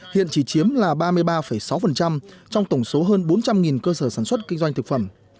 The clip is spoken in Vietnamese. hiện chỉ chiếm là ba mươi ba sáu trong tổng số hơn bốn trăm linh cơ sở sản xuất kinh doanh thực phẩm